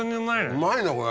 うまいなこれ。